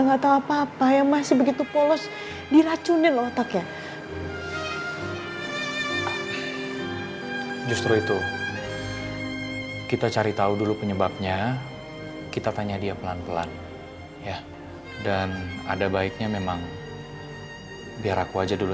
nggak bosen apa nyakitin hati andin mulu